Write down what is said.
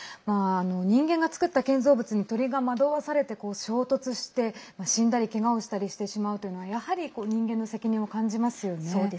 人間が作った建造物に鳥が惑わされて衝突して死んだり、けがをしたりしてしまうというのはそうですよね。